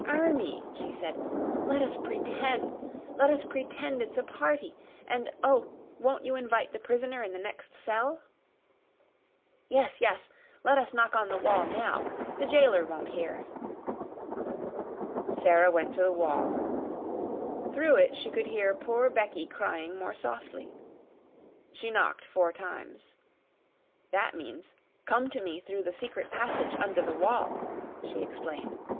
"Ermie!" she said. "Let us PRETEND! Let us pretend it's a party! And oh, won't you invite the prisoner in the next cell?" "Yes! Yes! Let us knock on the wall now. The jailer won't hear." Sara went to the wall. Through it she could hear poor Becky crying more softly. She knocked four times. "That means, 'Come to me through the secret passage under the wall,' she explained.